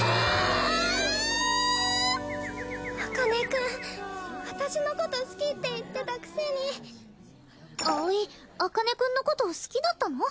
茜くん私のこと好きって言ってたくせに葵茜くんのこと好きだったの？